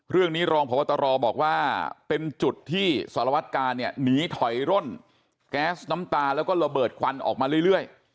รองพบตรบอกว่าเป็นจุดที่สารวัตกาลเนี่ยหนีถอยร่นแก๊สน้ำตาแล้วก็ระเบิดควันออกมาเรื่อย